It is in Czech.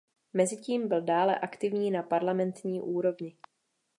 Mezitím byl dále aktivní na parlamentní úrovni.